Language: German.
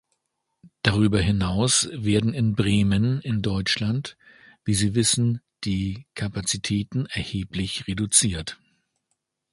Darüber hinaus werden in Bremen in Deutschland, wie Sie wissen, die Kapazitäten erheblich reduziert.